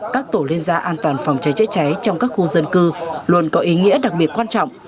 các tổ liên gia an toàn phòng cháy chữa cháy trong các khu dân cư luôn có ý nghĩa đặc biệt quan trọng